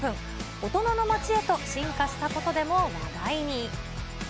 大人の街へと進化したことでも話題に。